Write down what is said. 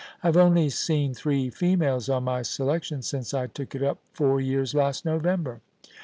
IVe only seen three females on my selection since I took it up four years last November.